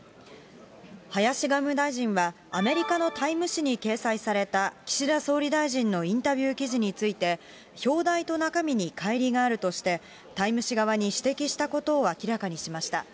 林外務大臣は、アメリカのタイム誌に掲載された岸田総理大臣のインタビュー記事について、表題と中身にかい離があるとして、タイム誌側に指摘したことを明らかにしました。